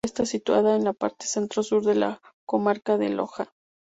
Está situada en la parte centro-sur de la comarca de Loja.